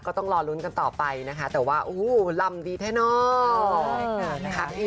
ก็ต้องรอลุ้นกันต่อไปนะคะแต่ว่ารำดีเท่านอก